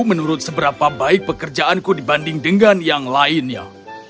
menurut seberapa baik pekerjaanku dibanding dengan yang lainnya